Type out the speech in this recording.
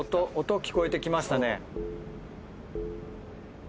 音聞こえて来ましたね。